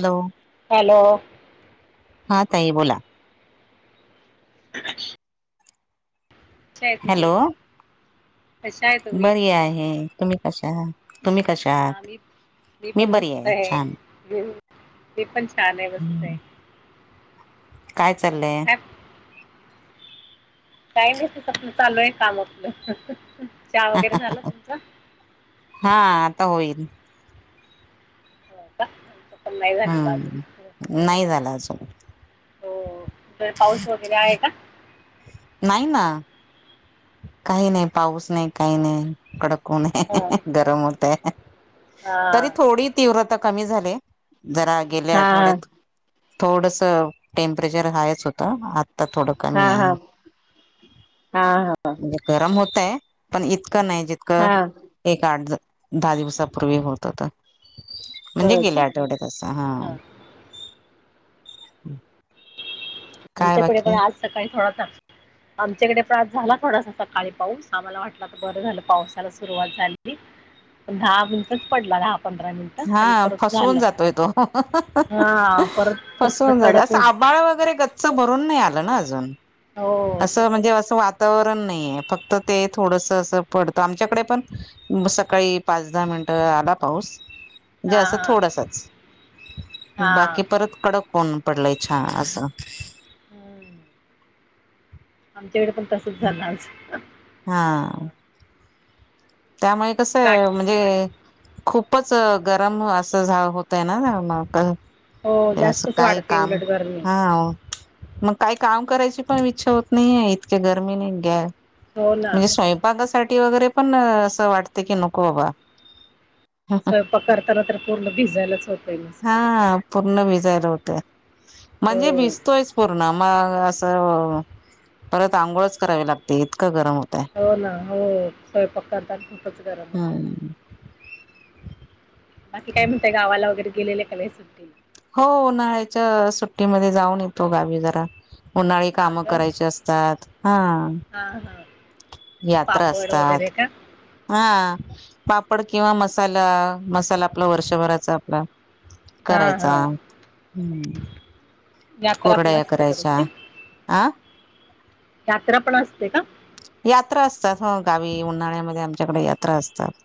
Hello hello हा ताई बोला हॅलो सतय बरी आहे तुम्ही कशा तुम्ही कशा हा आहात मी मी पण बरी आहे वस्तय छान ते पण छान आहे हम्म. बसते काय चालले काही नाहीच आपलं चालू आहे काम आपलं चहा वगैरे झाला तुमचा? हा आता होईल हो का? [inaudible] झालेला अजून. हम्म, हो. नाही झाला अजून. हो, जर पाऊस वगैरे आहे का? नाही ना [inaudible] काही नाही पाऊस नाही, काही नाही. कडक [inaudible] कोण हा. हाय गरम होतय. हा. तरी थोडी तीव्रता कमी झालीये. जरा गेल्या आठवड्यात थोडस टेम्परेचर हायच होतं. आ तर थोडं हा कमी हा हा आहे. [inaudible] हा हा म्हणजे गरम होतय पण इतकं नाही हा जितकं एक, आठ द दहा दिवसापूर्वी होत होत. म्हणजे होय का? गेल्या आठवड्यात अस हा. [inaudible] काय आमच्याकडे पण बाकी आज सकाळी थोडासाच आमच्याकडे प्रास झाला थोडासा सकाळी पाऊस आम्हाला वाटला तर बरं झालं पावसाला सुरुवात झाली. दहा मिनटंच पडला. [unintelligible] पंधरा मिनिट हा आणि परत फसवून झालं जातोय तो हा परत कस कडक आभाळ वगैरे गच्च भरून नाही आल ना अजून, [inaudible] हो अस तेच म्हणजे ना अस वा वातावरण नाहीये फक्त ते थोडस अस पडतं आमच्याकडे पण सकाळी पाच, दहा मिन ट आधा पाऊस. म्हणजे असं हा हा थोडसच [inaudible] हा बाकी परत कडक ऊन. पडलाय छान असं. हम्. आमच्याकडे पण तसंच झालं आज. हा त्यामुळे कसं दाट आहे म्हणजे खूपच गरम असं झा होतय ना त्यांना. हो हे अस जास्तच काय वाढते काम? उलट गरमी हा मग. काही काम करायची पण इच्छा होत नाहीेये. इतक्या गरमीने गॅस हो ना म्हणजे स्वयंपाकासा ठी वगैरे पण असं वाटते की नको बाबा. [inaudible] स्वयंपाक करताना तर पूर्ण भिजयलाच हो हा पूर्ण भिजयला होते हो म्हणजे भिजतोयच पूर्ण मग अ स परत आंघोळच करावी लागते इतकं गरम होतय हो ना हो स्वयंपाक करताना खुपच गरम होऊन जातंय. हम्म बाकी काय म्हणताय गावाला वगैरे गेलेले का नाही सुट्टी हो उन्हाळायच्या सुट्टीमध्ये जाऊन येतो गावी जरा. उन्हाळी हा कामं का करायचे असतात हा. हा हा म्हणजे यात्रा पापड वगैरे असतात का [inaudible] हा. पापड किंवा मसाला, मसाला आपला वर्षभराचा आपला. हा हा करायचा. [inaudible] यात्रा पण कुरडया असते का करायच्या तुमची अ यात्रा पण असते का? यात्रा असतात ह गावी उन्हाळ्यामध्ये आमच्याकडे यात्रा असतात.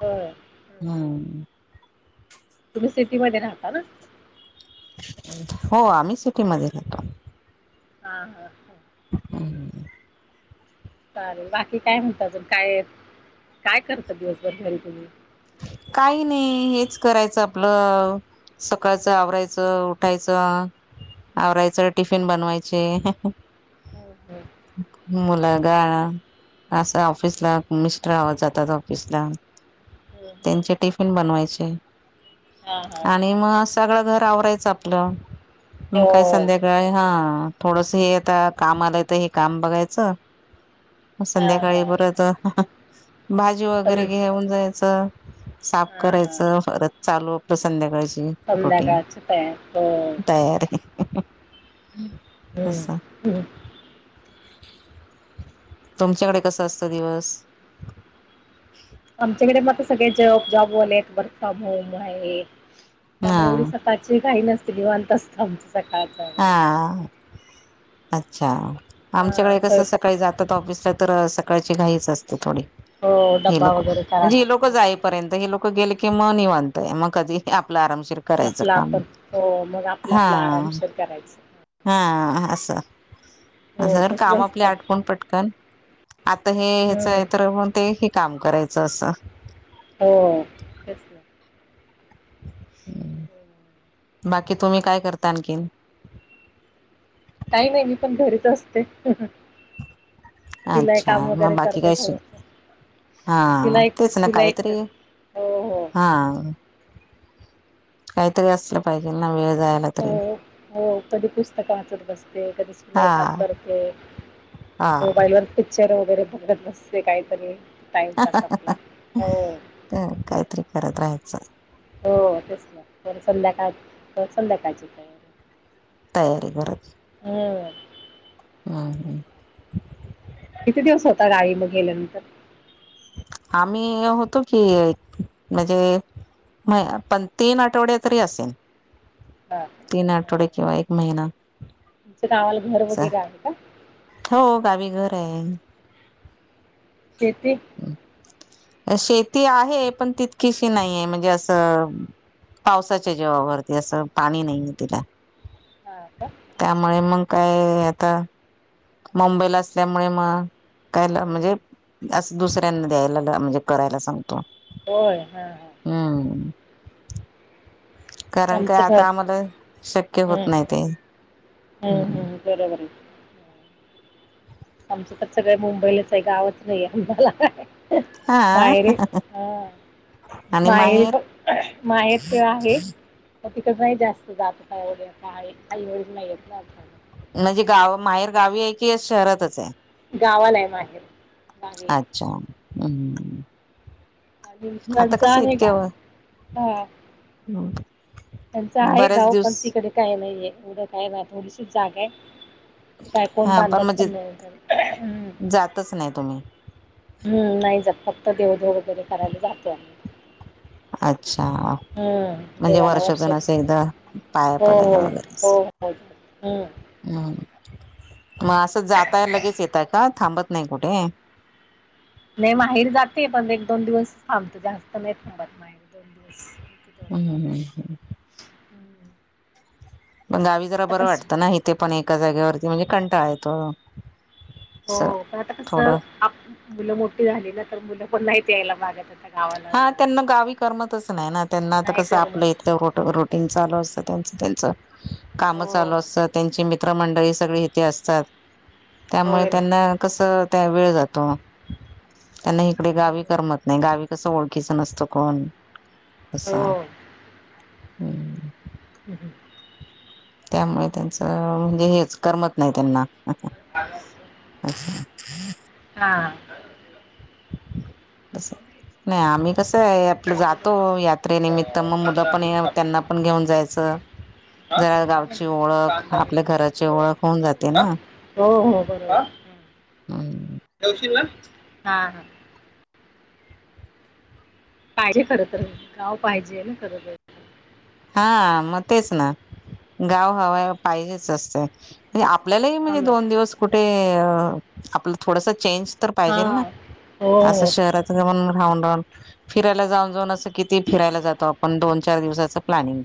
होय हं, हं. हम्म. तुम्ही सिटीमध्ये राहता ना? हो आम्ही सिटी मध्ये राहतो. हा, हा, ह. [inaudible] चालेल बाकी काय म्हणता अजून काय काय करता दिवसभर घरी तुम्ही? काही नाही हेच करायचं आपलं सकाळचं आवरायच उठायचं आवरायचं टिफिन बनवायचे [inaudible] हं, हं, मुला ग गा [unintelligible] अस ऑफिस ला मिस्टर आव जातात ऑफिसला. हं, हं. त्यांचे टिफिन बनवायचे हां हां आणि म आ सगळं घर सावरायचं आपलं म काय हो संध्याकाळी हा... थोडसं हे आता काम आलंय त हे काम बघायचं. हां संध्याकाळी हां परत भाजी वगरे सं- घेऊन जायचं. साफ हां हां करायचं. परत चालू आपलं संध्याकाळचं. रुटीन.. संध्याकाळची तयार हो तयारे हं. बसा. तुमच्याकडे कसं असतं दिवस? आमच्याकडे मात्र सगळे जॉ जॉबवाले आहेत वर्क फ्रॉम होम हाहे. हा त्यामुळे एवढी सकाळची घाई नसते. निवांत असतं आमचं सकाळचं. हा अच्छा.. हां, आमच्याकडे कसं स्वयंपाक सकाळी जातात ऑफिसात. तर सकाळची घाईच असते थोडी. हो हे डब्बा लोकं वगैरे म्हणजे करायला हे लोकं जाईपर्यंत. म हे लोकं गेले की म निवांत ए. मग कधी आप आपलं आरामशीर करायचं आपला काम. आपण हो मग आपला आपला हा... आरामशीर करायचं हा.. हा असं. हो असं तसच कामं आपले असतं आटपुण पटकन आता हे ह्याचं हम्म ए तर ते म ते हे काम करायचं असं. हो तेच ना [inaudible] बाकी तुम्ही काय करता आणखीन? काही नाही. मी पण घरीच असते. सिलाई अच्छा काम वगरे मग बाकी करते काय शि थोडं. हा शिलाई तेच ना शिलाई काहीतरी क? हो. हो. हा काहीतरी असलं पाहिजेल ना वेळ जायला हो. तरी हो. कधी पुस्तकं वाचत बसते, कधी हा शिलाई काम करते. हा मोबाईल वर पिक्चर वगरे बघत बसते काहीतरी. टाइमपास आपला, हो.. काहीतरी करत राहायचं हो तेच ना. परत संध्याकाळ परत संध्याकाळची तयारी तयारी करत हम. [unintelligible] किती दिवस होता गावी म गेल्यानंतर? आम्ही होतो की म्हजे नाही. पण तीन आठवडे तरी असेल. हा तीन आठवडे किंवा एक महिना मचं गावाला घर वगरे आहे का? हो.. गावी घर आहे. शेती? शेती आहे, पण तितकीशी नाहीये म्हणजे असं पावसाच्या जीवावरती, असं पाणी नाहीये तिला. हा का हं, त्यामुळे हं. मंग काय आता मंबईला असल्यामुळे मग काय हो. म्हणजे आस दुसऱ्यांना द्यायला दा म्हणजे करायला सांगतो. होय. हा हा. हम्म कारण काय, आमचं घर आता आम्हाला शक्य होत नाही ते. हम् हम् बरोबर आए. आमचं तर सगळे मुंबईलाच आहे. गावच नाहीये आम्हाला. हा माएरे हां. माहेर, माहेर त आहे. म तिथं नाही जास्त जात [unintelligible] आई वडील नाही येत ना आता. म्हणजे गाव, माहेर गावी आहे की शहरातच ए? गावाला ए माहेर. गावी अच्छा. हम्म्. अ विश्रांचा आहे का? हा. त्यांचं आहे बरेच गाव दिवस पण तिकडे काय नाहीये एवढं काय नाय थोडीशी जागा आहे. काय कोण हा बांधत म्हणजे पण नाही घर. हम. जातच नाही तुम्ही हम्म नाही जात, फक्त देवदेव वगैरे करायला जातो आम्ही. अच्छा. हम्म म्हणजे देवाला वर्षातून वर्षात असं एकदा पाया हो पडायला हो वगैरे असं हो हो हम्म हम्. मग असं जाताय लगेच येताय का? थांबत नाही कुठे? नाही माहेरी जाते पण एक दोन दिवस थांबते जास्त नाही थांबत माहेरी. तेवढच. हम्म हम्म हम्. हम्म पण गावी जरा आता बरं कसं वाटतं ना इथे पण एका जागेवरती म्हणजे कंटाळा येतो. हो असं पण आता कस थोडं आपली मुलं मोठी झाली ना तर मुलं पण नाहीती यायला मागत आता. गावाला हा त्यांना वगैरे गावी करमतच नाही ना त्यांना आता नाही कसं आपलं करमत इथल रुटिंग चालू असतं ते. त्यांच काम हो चालू असतात, त्यांची मित्रमंडळी सगळे इथे असतात. त्यामुळे होय ना त्यांना कस त्या वेळ जातो त्यांना इकडे गावी हम्म करमत नाही. गावी तसं ओळखीच नसतं कोण. हो असं ह्. हम् हम. त्यामुळे त्यांचं म्हणजे हेच करमत नाही त्यांना. [unintelligible] हां. असं. नाही आम्ही कसं आहे आपलं जातो यात्रेनिमित्त मग मुलं पण त्यांना पण घेऊन जायचं, [unintelligible] जरा गावची ओळख आपल्या घराची ओळख होऊन जाते ना हो-हो बरोबर, [unintelligible] हां, हां. पाहिजे खर तर, गाव पाहिजे ना खर तर. हा मग तेच ना गाव हवा पाहिजेच असते. आपल्यालाही हां म्हणजे ना. दोन दिवस कुठे आपलं थोडासा चेंज तर पाहिजेल ना? हां हो असं हो शहराच राहून राहुन-राहून फिरायला जाऊन जाऊन असं किती फिरायला जातो आपण दोन-चार दिवसाचं प्लॅनिंग.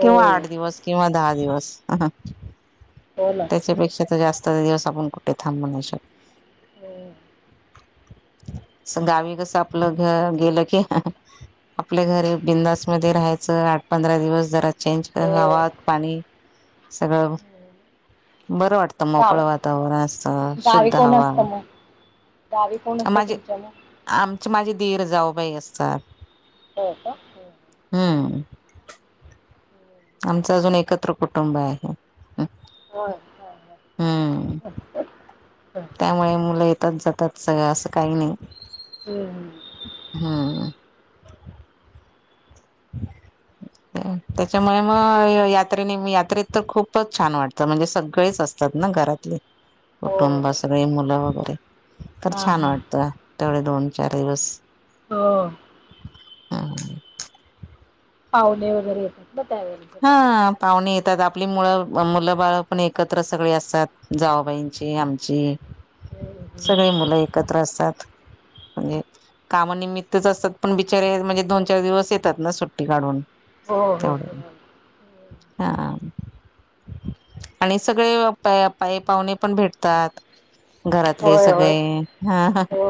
हो किंवा आठ दिवस, किंवा दहा दिवस. हो ना त्याच्यापेक्षा तर जास्त दिवस आपण कुठे थांबु नाही शकत. [inaudible] गावी कस आपलं घर गेलं की आपल घरी बिंदास मध्ये राहायचं. आठ, पंधरा दिवस जरा चेंज हो हवा, पाणी सगळं हो. बरं वाटतं गाव मोकळं वातावरण असत, गावी शुद्ध कोण हवा असतं मग गावी कोण असतं माझे तुमच्या मग, आमचे माझे दिर जाऊ बाई असतात. हो का. हो! ह [inaudible] आमचं अजून एकत्र कुटुंब आहे. होय, होय, हम्म [unintelligible] त्यामुळे मुलं येतात, जातात सगळं असं काही नाही. हम्, हम्म, [inaudible] त्याच्यामुळे मग यात्रेने यात्रेत तर खूपच छान वाटतं म्हणजे सगळेच असतात. घरातले हो कुटुंब हो सगळे मुलं वगैरे तर हां छान हां वाटतं. तेवढ दोन चार दिवस हो ह, पाहुणे वगैरे येतात. ना त्यावेळी सगळे हा पाहुणे येत त्यात मुळ मुलं बाळ पण एकत्र सगळे असतात जाऊ बाईंची आमची हम्म, हम्म. सगळे मुलं एकत्र असतात. [inaudible] म्हणजे कामानिमित्त असतात पण बिचारे म्हणजे दोन चार दिवस येतात ना सुट्टी काढून हो हो तेवढे बरंय ना. हा. आणि सगळे आपले पाहुणे पण भेटतात. घरातले होय होय सगळे हा हा. हो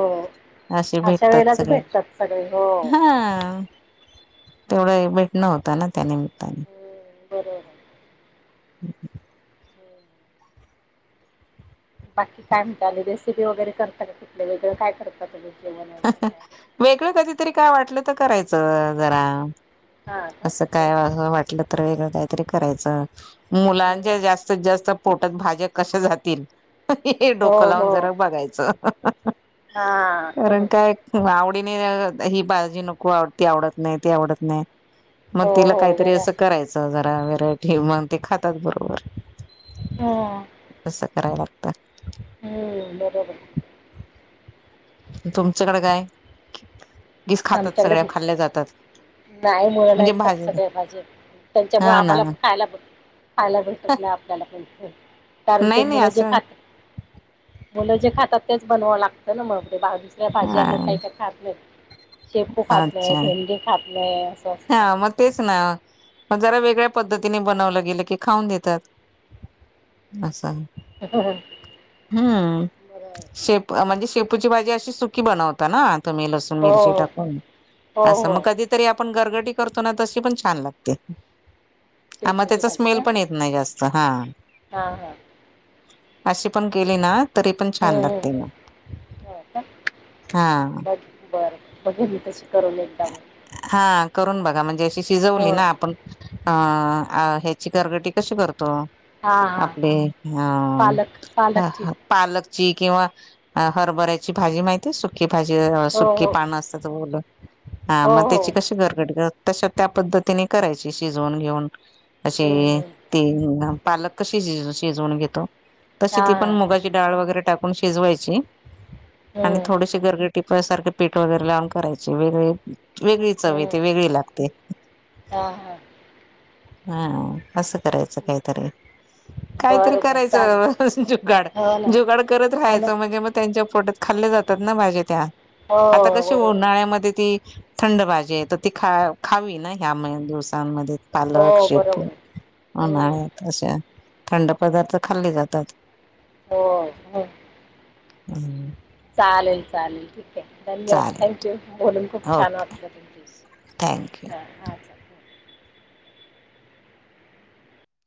असे अशा भेटतात वेळेलाच सगळे भेटतात सगळे हो हा तेवढं भेटणं होतं ना त्या निमित्ताने हम्म, बरोबर हम्म. बाकी काय म्हणतात रेसिपी वगैरे करताात कुठली वेगळं काय करता तुम्ही जेवण हा हा वगैरे काय वेगळं कधीतरी काय वाटलं तर करायचं जरा हा का असं हम्म, काय हम्म, वाटलं तर वेगळं काहीतरी करायचं. हम्म. मुलांच्या जास्तीत जास्त पोटात भाज्या कश्या जातील हे डोकं हो लावून हो जरा बघायचं हा कारण हम्म, काय आवडीने ही भाजी नको ती आवडत नाही ते आवडत नाही मग हो तिला हो काहीतरी असं बरं करायचं जरा व व्हरायटी मग ते खातात बरोबर. हम्म, तसं कराव लागतं हम्म बरोबर. तुमच्याकडे काय गीस खातात आमच्याकडे सगळ्या खाल्ल्या जातात. नाही मुलं नाहीत म्हणजे खात भाजी सगळ्या भाज्या त्यांच्यामुळे हा ना आम्हाला पण खायला खायला भेटतत नाही आपल्याला पण. कारण ते नाही नाही मुलं जे असं खातात मुलं जे खातात तेच बनवाव लागत ना मग ते दुसऱ्या भाजी हा काही काही खात नाही शेपू खात नाही अच्छा भेंडी खात नाही असं असतं हा ना. मग तेच ना मग जरा वेगळ्या पद्धतीने बनवलं क खाऊन देतात अस [unintelligible] हम्म बरोबर शेप म्हणजे शेपूची भाजी अशी सुकी बनवता ना लसून मिरची हो टाकून हो अस हो हो मग कधीतरी आपण गरगट करतो ना तशी पण छान लागते. आ मग शेपूची त्याचा भाजी स्मेल का पण येत नाही जास्त हा हा हा अशी पण केली ना तरी पण छान हम्म हम्म. लागते म हो का हा बघील मी तशी करून एक हा करून बघा म्हणजे अशी हो शिजवली ना आपण अ ह्याची कर्गटी कशी करतो हा हा आपले पालक ह पालकची पालक ची किंवा हरभऱ्याची भाजी माहितीय सुकी भाजी हो सुकी हो पानं असतात बलं हा हो मग हो त्याची कशी घरगट तशा त्या पद्धतीने करायची शिजवून घेऊन हम्म अशी हम्म ते पालक कशी श शिजवून घेतो. तशी हा ती पण हा मुगाची डाळ वगैरे टाकून शिजवायची आणि हम्म थोडीशी गरग सारख पठ वगैरे लावून करायची वेग वेगळी चवी येत हम्म वेगळी लागते. हा हा हा असं करायचं काहीतरी काहीतरी बरं बरं चालेल करायचं जुगाड हो ना जुगाड करत हो ना राहायचं म्हणजे मग त्यांच्या पोटात खाल्ले जातात ना भाजी त्या हो आता कशी बरोबर आहे उन्हाळ्यामध्ये ती थंड भाजी आहे तर ती खा खावी ना ह्या दिवसांमध्ये हो. बरोबर पो आहे. हम्म. उन्हाळ्यात अशा थंड पदार्थ खाल्ले जातात. हो होय. हम्म. चालेल चालेल ठीक आहे धन्यवाद चालेल थँक्यू बोलून खूप छान वाटलं थॅन्क यू स थँक यू. [unintelligible]